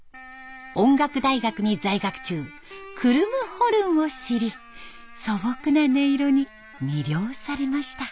音楽大学に在学中クルムホルンを知り素朴な音色に魅了されました。